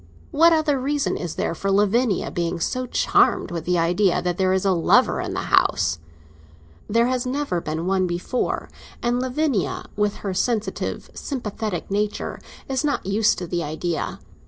What other reason is there for Lavinia being so charmed with the idea that there is a lover in the house? There has never been one before, and Lavinia, with her sensitive, sympathetic nature, is not used to the idea.